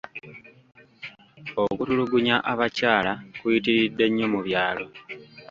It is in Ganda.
Okutulugunya abakyala kuyitiridde nnyo mu byalo.